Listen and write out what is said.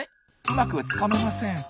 うまくつかめません。